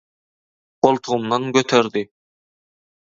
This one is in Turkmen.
goltugymdan göterdi.